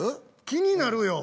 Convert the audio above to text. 気になるよ。